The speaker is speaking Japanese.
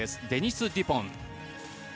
デニス・デュポン。